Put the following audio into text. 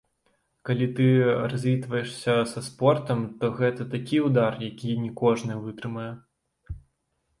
Калі ты развітваешся са спортам, то гэта такі ўдар, які не кожны вытрымае.